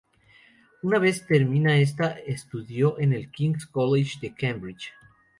Una vez terminada esta, estudió en el King's College de Cambridge.